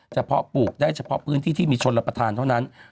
เฉพาะปลูกได้เฉพาะพื้นที่ที่มีชนรับประทานเท่านั้น